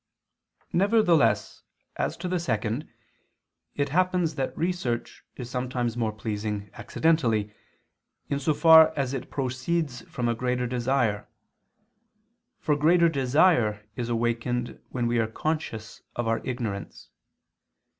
Nevertheless, as to the second, it happens that research is sometimes more pleasing accidentally, in so far as it proceeds from a greater desire: for greater desire is awakened when we are conscious of our ignorance.